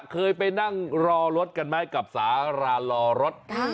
เคยไปนั่งรอรถกันไหมกับสารารอรถ